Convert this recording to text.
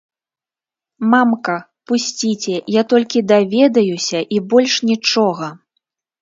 Мамка, пусціце, я толькі даведаюся, і больш нічога!